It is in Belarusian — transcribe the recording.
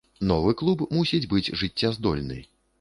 Новы клуб мусіць быць жыццяздольны.